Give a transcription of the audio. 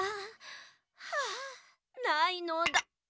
はあないのだ。